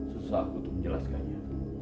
susah aku untuk menjelaskannya